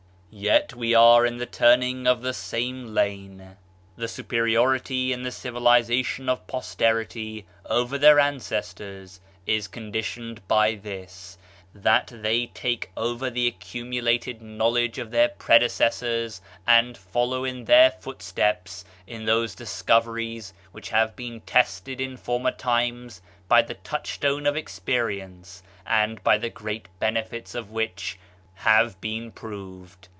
"Yet we are in the turning of the same lane." The superiority in the civilization of posterity over their ancestors is conditioned by this, that they take over the accumulated knowledge of their predecessors and follow in their footsteps in those discoveries which have been tested in former times by the touchstone of experience and by the great benefits of which have been proved.